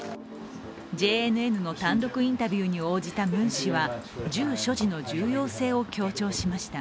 ＪＮＮの単独インタビューに応じたムン氏は、銃所持の重要性を強調しました。